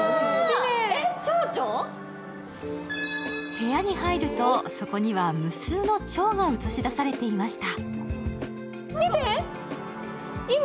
部屋に入るとそこには無数のちょうが映し出されていました。